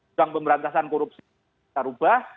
tentang pemberantasan korupsi kita ubah